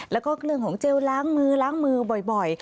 แล้วก็เรื่องของเจลล้างมือล้างมือบ่อย